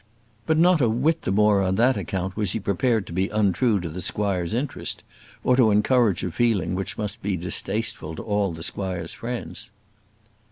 But not a whit the more on that account was he prepared to be untrue to the squire's interest or to encourage a feeling which must be distasteful to all the squire's friends.